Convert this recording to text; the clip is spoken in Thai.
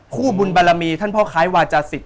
ผู้บุญบารมีท่านพ่อค้ายวาจสิต